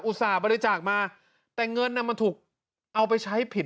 ส่าห์บริจาคมาแต่เงินน่ะมันถูกเอาไปใช้ผิด